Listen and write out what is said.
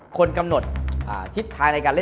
คนกำหนดทิศทางในการเล่น